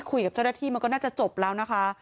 คุยกับเจ้าหน้าที่มันก็น่าจะจบแล้วนะคะ